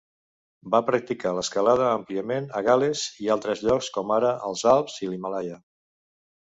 Va practicar l'escalada àmpliament a Gal·les i altres llocs, com ara els Alps i l'Himàlaia.